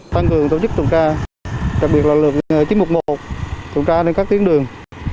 tăng cường tổ chức tuần tra đặc biệt là lực chín trăm một mươi một tuần tra trên các tuyến đường